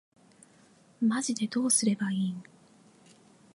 マジでどうすればいいん